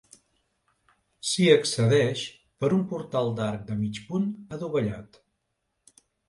S'hi accedeix per un portal d'arc de mig punt adovellat.